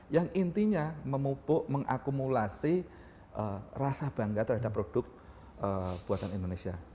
yang intinya memupuk mengakumulasi rasa bangga terhadap produk buatan indonesia